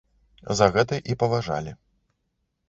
За гэта і паважалі.